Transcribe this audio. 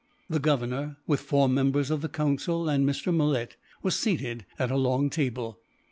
The Governor, with four members of the Council and Mr. Malet, were seated at a long table.